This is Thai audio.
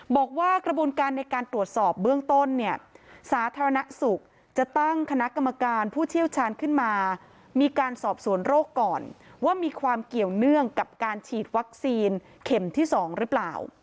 บอกว่ากระบวนการในการตรวจสอบเบื้องต้นเนี่ยสาธารณสุขจะตั้งคณะกรรมการผู้เชี่ยวชาญขึ้นมามีการสอบสวนโรคก่อนว่ามีความเกี่ยวเนื่องกับการฉีดวัคซีนเข็มที่๒หรือเปล่า